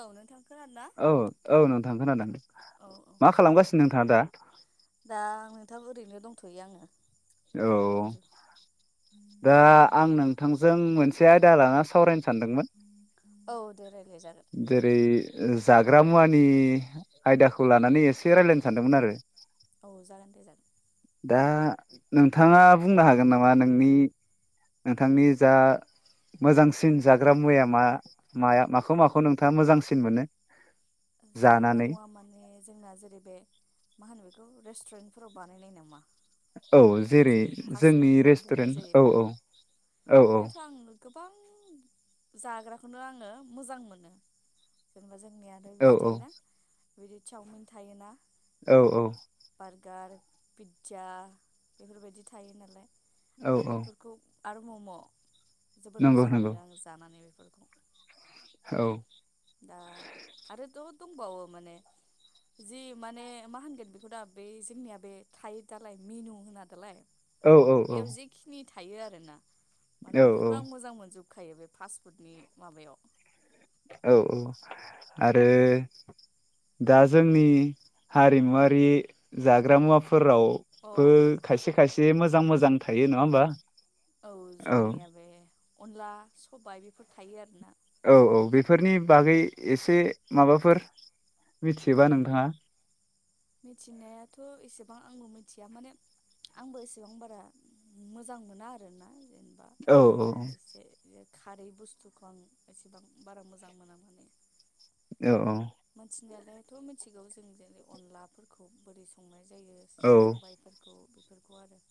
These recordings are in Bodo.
औ नोंथां। खोनादों ना? औ- औ नोंथां खोनादों औ औ मा खालामगासिनो नोंथाङा दा? दा नोंथां ओरैनो दंथ'यो आङो। औ बन्धु दा आं नोंथांजों मोनसे आयदा लाना सावरायनो सानदोंमोन। औ दे राय जेरै ओ जाग्रा मुवानि आयदाखौ लानानै एसे रायलायनो सानदोंमोन आरो औ जागोन दे जागोन। दा नोंथाङा बुंनो हागोन नामा नोंनि नोंथांनि जा मोजांसिन जाग्रा मुवाया मा माया माखौ माखौ नोंथाङा मोजांसिन मोनो। जाग्रा जानानै मुवा माने जोंना जेरै बे मा होनो बेखौ रेस्टुरेन्टफोराव बानायनाय नामा? औ जेरै फास्ट जोंनि फुड बुंनाय रेस्टुरेन्ट जायो औ बेखौ औ औ बेयावथ' आं गोबां जाग्राखौनो आङो मोजां मोनो जेनेबा जों जोंनिया आरो बि औ औ बिदि चावमिन थायोना? औ औ बारगार पिज्जा बेफोरबायदि थायो नालाय। औ आं औ बेफोरखौ आरो मम' जोबोद नंगौ मोजां नंगौ मोनो आं जानानै बेफोरखौ। औ दा आरोथ' दंबावो माने जि माने मा होनगोन बेखौ दा बै जोंनिया बे थायो दालाय मेनु होना दालाय औ औ औ बेयाव जेखिनि थायो आरोना? औ माने बेफोरखौ आं मोजां मोनजोब खायो बे फास्टफुडनि माबायाव औ औ आरो दा जोंनि हारिमुवारि जाग्रा मुवाफो अ फोरावबो खायसे खायसे एसे मोजां मोजां थायो नङा ओमबा? औ जोंनिया बे अनला सबाइ बेफोर थायो आरोना? औ औ बेफोरनि बागै एसे माबाफोर मिथियोबा नोंथाङा? मिथिनायाथ' एसेबां आंबो मिथिया माने आंबो एसेबां बारा मोजां मोना आरोना? जेनेबा औ औ एसे खारै बुस्थुखौ आं एसेबां बारा मोजां मोना माने। औ औ मिथिनायालायथ' मिथिगौ जों जेरै अनलाफोरखौ बोरै संनाय जायो औ सबाइफोरखौ बेफोरखौ आरो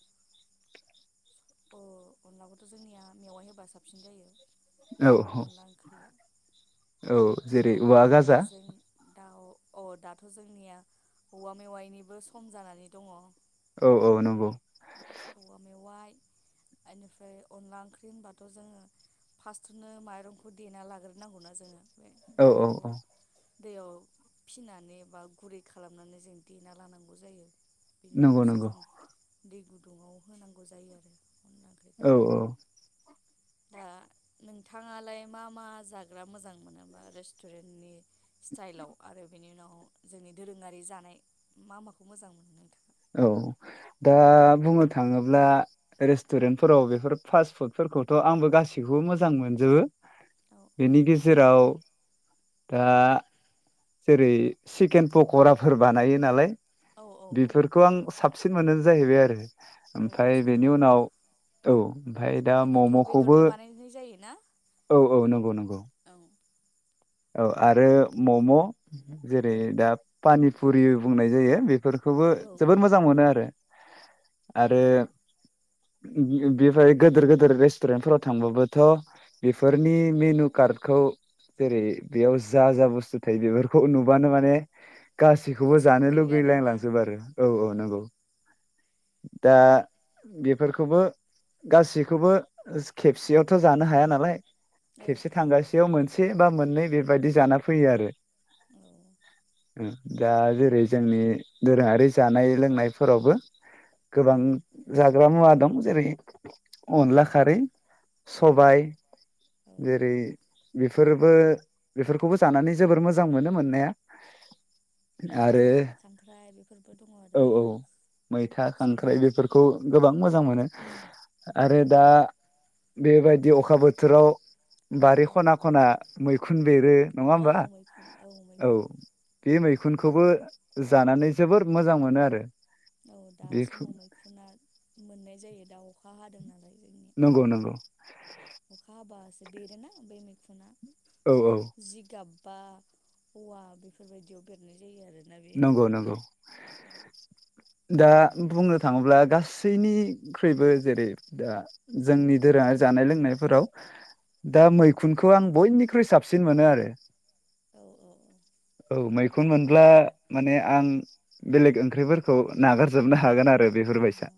अ अनलाखौथ' जोंनिया मेवाय होबा साबसिन जायो। औ औ अनला ओंख्रिया औ जेरै औवा गाजा अनलाजों दाउ अ दाथ' जोंनिया औवा मेवाइनिबो सम जानानै दङ। औ औ नंगौ औवा मेवाइ बेनिफ्राय अनला ओंख्रि होनबाथ' जोङो फार्स्टनो माइरंखौ देना लाग्रो नांगौना जोङो बे औ औ माइरंखौ औ दैयाव फिनानै एबा गुरै खालामनानै जों देना लानांगौ जायो। बेनि नंगौ उनावसो नंगौ जों दिग गुदुङाव होनांगौ जायो आरो। ओंख्रिखौ औ औ दा नोंथाङालाय मा मा जाग्रा मोजां मोनोबा रेस्टुरेन्टनि स्टाइलाव आरो बिनि उनाव अ जोंनि दोरोङारि जानाय मा माखौ मोजां मोनो नोंथां? औ दा बुंनो थाङोब्ला रेस्टुरेन्टफोराव बेफोर फास्ट फुडफोरखौथ' आंबो गासैखौबो मोजां मोनजोबो। औ औ बेनि गेजेराव दा जेरै चिकेन पकराफोर बानायो नालाय। औ औ औ बेफोरखौ आं साबसिन मोनो जाहैबाय आरो। औ ओमफाय चिकेन बेनि पक'रा उनाव औ ओमफाय दा बेखौथ' मम'खौबो बेदरनि बानायनाय जायोना औ औ नंगौ नंगौ। औ औ आरो मम' जेरै औ दा पानि पुरि बुंनाय जायो बेफोर खौबो औ औ जोबोर औ मोजां मोनो आरो। [inaudible] उम आरो गिगो बेफाय गोदोर गोदोर रेस्टुरेन्टफोराव थांबाबोथ' बेफोरनि मेनु कार्डखौ जेरै बेयाव जा जा बुस्थु थायो बेफोरखौ नुबानो माने गासैखौबो जानो फसायखायो लुगैलां आरोना लांजोबो आरो औ औ नंगौ। दा बेफोरखौबो गासैखौबो खेबसेयावथ' जानो हाया नालाय औ खेबसे औ थांगासेयाव मोन से बा मोननै बेबायदि जाना फैयो आरो। औ दा जेरै जोंनि दोरोङारि जानाय लोंनायफोरावबो गोबां उम जा गोबां मुवा दं जेरै अनला खारै औ सबाय औ जेरै बेफोरबो बेफोरखौबो जानानै जोबोर मोजां मोनो मोननाया। आरो मैथा खांख्राइ बेफोरबो दङ औ आरोना औ मैथा जोंनिया खांख्राइ बेफोरखौ गोबां मोजां मोनो उम आरो दा बेबायदि अखा बोथोराव बारि औ खना खना मै देरो नङा औ होमबा मैखुन औ मैखुन बे मैखुनखौबो जानानै जोबोर मोजां मोनो आरो औ दा बेखौ समाव मैखुुना मोननाय जायो दा अखा हादों नालाय जोंनिया नंगौ नंगौ अखा हाबासो बेरो ना बे मैखुना? औ औ जिगाब। फा औवा बेफोरबायदियाव बेरनाय जायो आरो। नंगौ नंगौ। दा बुंनो थाङोब्ला गासैनिख्रुइबो जेरै दा जोंनि दोरोङा जानाय लोंनायफोराव दा औ मैखुनखौ आं बयनिख्रुइ साब साबसिन मोनो आरो। औ औ औ। खुन मोनब्ला माने आं बेलेग ओंख्रिफोरखौ नागारजोबनो हागोन आरो औ औ बेफोरबायसा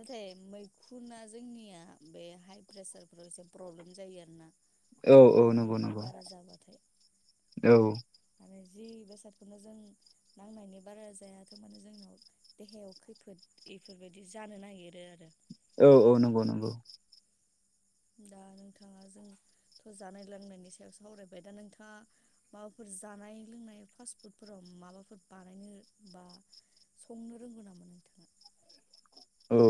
नाथाय मै खुना जोंनिया बे हाइ प्रेसारफोराव एसे प्रब्लेम जायो आरो ना औ औ नंगौ नंगौ। औ माने जि बेसादखौनो जों नांनायनि बारा जायाथ' माने जोंनाव देहायाव खैफोद एफोरबायदि जानो नागिरो आरो। औ औ नंगौ नंगौ। दा नोंथाङा जोंथ' जानाय लोंनायनि सायावसो सावरायबाय दा नोंथाङा माबाफोर जानाय लोंनाय फास्ट फुडफोराव माबाफोर बानायनो बा संनो रोंगौ नामा नोंथाङा। औ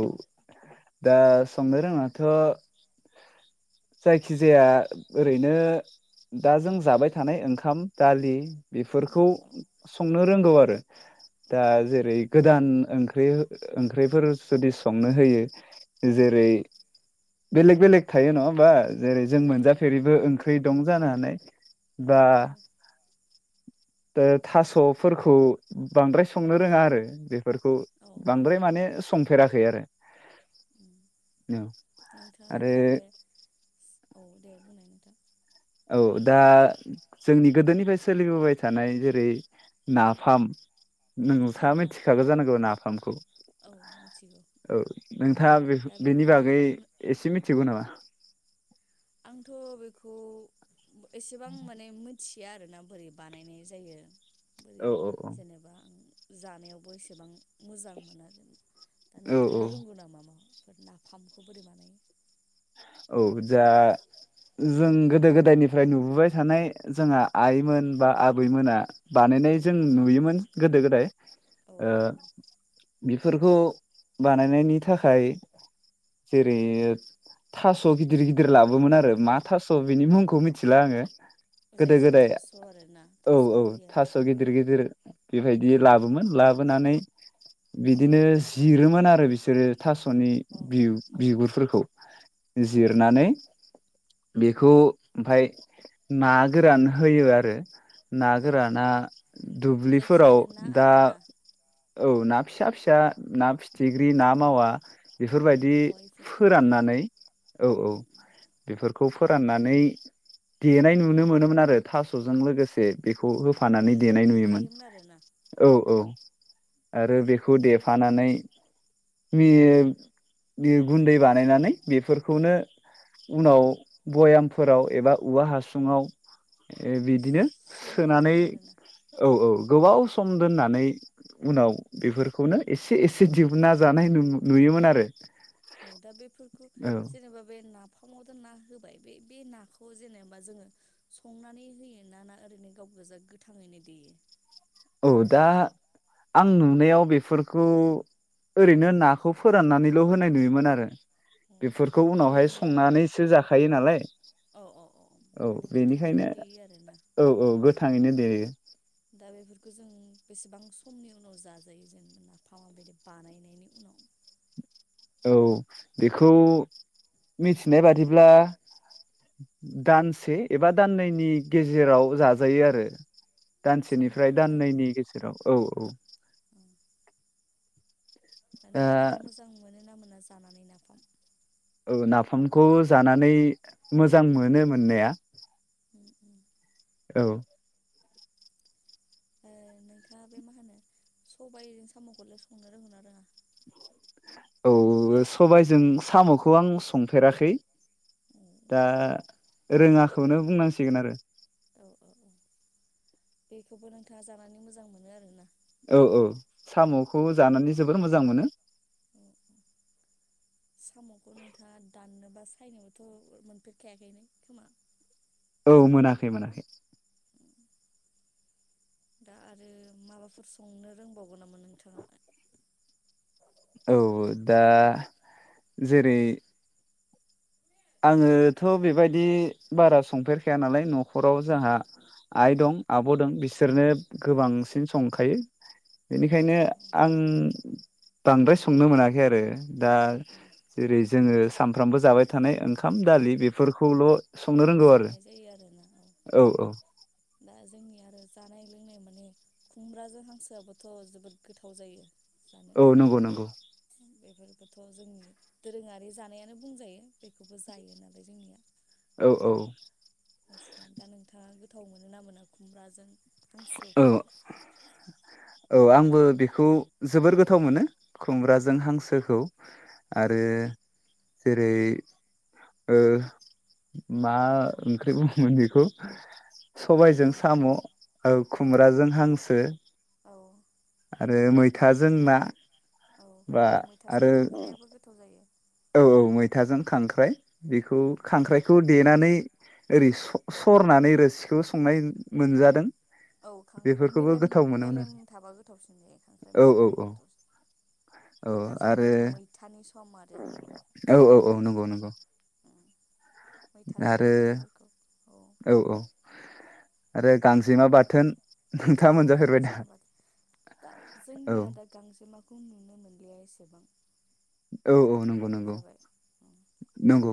दा संनो रोङाथ' जायखि जाया ओरैनो दा जों जाबाय थानाय ओंखाम दालि बेफोरखौ औ औ संनो रोंगौ आरो। औ दा जेरै गोदान ओंख्रै ओंख्रिफोर जुदि संनो होयो औ जेरै बेलेग बेलेग थायो नङा। बा जेरै औ जों औ थायो मोनजाफेरिबो ओं थै दं जानो हानाय औ बा थायो दा थास'फोरखौ बांद्राय संनो रोङा आरो बेफोरखौ औ औ औ बांद्राय माने संफेराखै आरो उम [inaudible] औ नोंथाङा आरो दा बे औ दे बुंनाय नोंथां। औ दा जोंनि गोदोनिफ्राय सोलिबोबाय थानाय जेरै नाफाम औ नोंथाङा नाफाम मिथिखागौ जानांगौमोन नाफामखौ। औ मिथिगौ औ नोंथाङा दा बे-बेनि बेखौ बागै एसे मिथिगौ नामा? आंथ' बेखौ एसेबां माने थिया आरोना बोरै बानायनाय जायो। बोरै औ औ औ जेनेबा आं जानायावबो एसेबां मोजां मोनो आरो। दा औ नोंथाङा रोंगौ नामा मा बेफोर नाफामखौ बोरै बानायो? औ दा जों गोदो गोदायनिफ्राय नुबोबाय थानाय जोंहा आइमोन बा आबैमोना औ बानायनाय जों नुयोमोन गोदो गोदाय औ ओ औ बेफोरखौ बानायनायनि थाखाय जेरै ओ थास' गिदिर गिदिर लाबोमोन आरो मा थास' बिनि मुंखौ मिथिला आङो। औ गोदो जायखिजाया गोदाय थास' आरोना औ थास' औ होयो आरो थास' गिदिर गिदिर बेबायदि लाबोमोन लाबोनानै उम बिदिनो जिरोमोन आरो बिसोरो थास'नि अ बिगु-बिगुरफोरखौ। [inaudible] अ जिरनानै बेखौ ओमफाय ना गोरान होयो आरो। ना गोरान गोराना औ दुब्लिफोराव जायखिजाया ना दा आरोना औ ना फिसा फिसा ना फि फिथिग्रि ना औ मावा बेफोरबायदि औ अ इफोरखौ आरोना फोराननानै औ औ उम उम बेफोरखौ फोराननानै देनाय नुनो मोनोमोन आरो थास'जों लोगोसे बे खौ अ होफानानै देनाय नुयोमोन देफायोमोन आरोना औ औ। आरो बेखौ देफानानै मि ओ गुन्दै बानायनानै बेफोर खौनो उनाव बयामफोराव एबा उवा हासुङाव बिदि बिदिनो सोनानै दोनो आरोना औ औ। गोबाव सम दोननानै उनाव बेफोरखौनो एसे एसे दिहुनना जानाय नुयोमोन आरो। अ दा बेफोरखौ औ जेनेबा बे नाफामावथ' ना होबाय बे बे नाखौ जेनेबा जोङो संनानै होयो ना ना ओरैनो गाव गोजा गोथाङैनो देयो? औ दा आं नुनायाव बेफोरखौ ओरैनो नाखौ फोराननानैल' होनाय नुयोमोन आरो। अ बेफोरखौ उनावहाय ओरैनो संनानैसो जाखायो नालाय। अ अ अ औ माने गोथाङैनो बेनिखायनो देयो आरोना औ औ गोथाङैनो देयो। [inaudible] दा बेफोरखौ जों बेसेबां समनि उनाव जाजायो जेनेबा नाफामा बायदि बानायनायनि उनाव? औ बेखौ मिथिनाय बादिब्ला दानसे एबा दाननैनि गेजेराव जाजायो आरो। सम दानसेनिफ्राय लायो आरोना दाननैनि गेजेराव औ औ औ दा नोंथाङा मोजां मोनो ना मोना ज औ नाफामखौ जानानै मोजां मोनो मोननाया उम उम औ ओ नोंथाङा बे मा होनो सबायजों साम'खौलाय संनो रोंगोन ना रोङा औ सबायजों साम'खौ आं संफेराखै औ दा रोङाखौनो बुंनांसिगोन आरो औ औ औ बेखौबो नोंथाङा जानानै मोजां मोनो आरोना औ औ साम'खौ जानानै जोबोर मोजां मोनो साम'खौ नोंथाङा दाननो बा सायनोबोथ' मोनफेरखायाखैनो खोमा औ मोनाखै मोनाखै दा आरो माबाफोर संनो रोंबावगोन नामा नोंथाङा औ दा जेरै आङोथ' बेबायदि बारा संफेरखाया नालाय न'खराव औ जोंहा आइ दं आब' दं बिसो बिसोरनो औ गोबांसिन सं खायो औ औ बेनिखायनो आं बांद्राय संनो मोनाखै आरो दा औ जेरै जोङो सानफ्रामबो जाबाय थानाय ओंखाम दालि बेफोरखौल' संनो रोंगौ आरो संनाय जायो आरोना औ दा जोंनि आरो जानाय लोंनाय माने खुमब्राजों हांसोआबोथ' जोबोद गोथाव जायो। औ नंगौ नंगौ। बेफोरखौथ' जोंनि दोरोङारि जानायानो बुंजायो बेखौबो जायो नालाय जोंनिया। औ औ बांसिना दा नोंथाङा गोथाव मोनो ना मोना खुमब्राजों। औ हांसोफोरखौ। औ आंबो बेखौ जोबोर गोथाव मोनो खुमब्राजों हांसोखौ आरो जेरै ओ मा ओंख्रि बुङोमोन बेखौ उम सबायजों साम'। औ खुमब्राजों हांसो औ आरो मै थाजों ना। औ आरो मैथाजों खांख्राइाबो गोथाव जायो। औ औ मैथाजों खांख्राइ। बेखौ उम खांख्राइखौ। देनानै ओरै स-सरनानै रो सिखौ संनाय मोनजादों। औ खांख्राइ बेफोरखौबो गोथाव मोनोमोन मेलेम-मेलेम थाबा गोथावसिन जायो खांख्राइ आरो औ मेलेमा औ औ गोथावसिन दा आरो जोंनियाथ' मैथानि समा औ औ औ नंगौ नंगौ उम मैथाजों आरो खांख्राइफोरखौ औ औ आरो। जेमा बाथोन। औ नोंथाङा मोनजाफेरबाय दा गांजेमा बाथोन दा औ जोंनिया दा गांजेमाखौ नुनो मोना। गैया एसेबां। औ औ नंगौ खम नंगौ। जाबाय नंगौ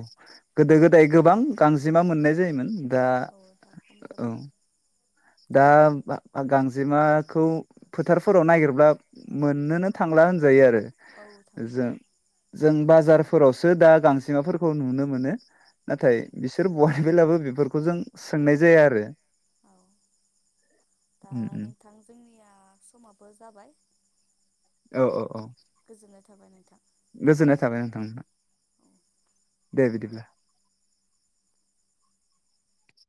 गोदो गोदाय गोबां गांजेमा मोननाय जायोमोन। दा औ दा खम औ जाबाय। दा गांजेमाखौ फोथारफोराव नागिरब्ला मोननोनो थांला होनजायो आरो। औ जों थांलिया जों औ बाजारफोरावसो दा गां। जेमाफोरखौ नुनो मोनो नाथाय औ बिसोर बहायबायब्लाबो बेफोरखौ जों सोंनाय जाया आरो। औ दा उम उम नोंथां जोंनि। दा समाबो जाबाय। औ औ औ। गोजोन्नाय थाबाय नोंथां। गोजोननाय थाबाय नोंथांमोना। औ दे बिदिब्ला।